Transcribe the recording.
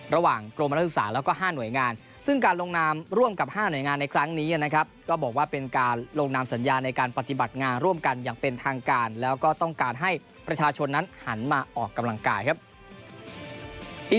ระหว่างกรมนักศึกษาแล้วก็๕หน่วยงานซึ่งการลงนามร่วมกับ๕หน่วยงานในครั้งนี้นะครับก็บอกว่าเป็นการลงนามสัญญาในการปฏิบัติงานร่วมกันอย่างเป็นทางการแล้วก็ต้องการให้ประชาชนนั้นหันมาออกกำลังกายครับ